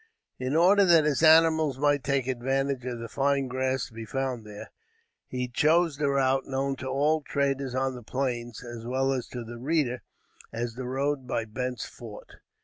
In order that his animals might take advantage of the fine grass to be found there, he chose the route, known to all traders on the plains, as well as to the reader, as the road by Bent's Fort.